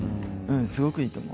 すごくいいと思う。